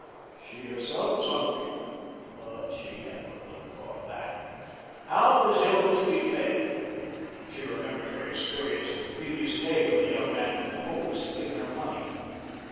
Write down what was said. She herself was hungry, but she had but little thought of that. How was Hilda to be fed? She remembered her experience of the previous day, when the young man with the hose had given her money.